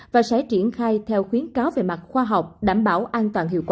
và sẽ triển khai theo khuyến cáo về mặt khoa học đảm bảo an toàn hiệu quả